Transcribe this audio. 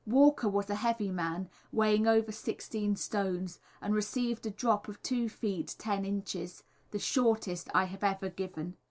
Walker was a heavy man, weighing over sixteen stones, and received a drop of 2 ft. 10 in., the shortest I have ever given.